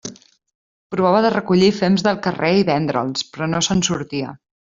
Provava de recollir fems del carrer i vendre'ls, però no se'n sortia.